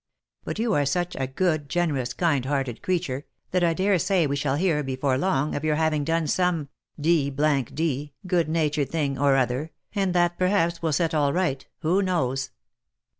But you are such a good, generous, kind hearted creature, that I dare say we shall hear, before long, of your having done some d — d good natured thing or other, and that perhaps will set all right ; who knows?"